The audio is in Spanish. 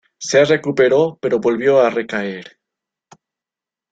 Se recuperó pero volvió a recaer.